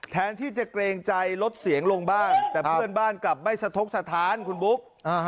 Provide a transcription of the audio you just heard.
แทนที่จะเกรงใจลดเสียงลงบ้างแต่เพื่อนบ้านกลับไม่สะทกสถานคุณบุ๊ก